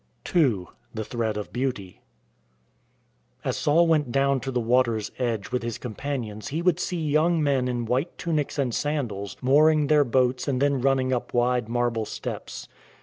II. THE THREAD OF BEAUTY As Saul went down to the water's edge with his companions he would see young men in white tunics and sandals mooring their boats and then running up wide marble steps.